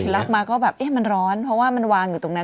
รับมาก็แบบเอ๊ะมันร้อนเพราะว่ามันวางอยู่ตรงนั้น